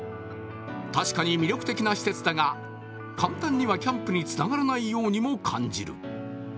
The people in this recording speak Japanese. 確かに魅力的な施設だが、簡単にはキャンプにつながらないようにも感じる。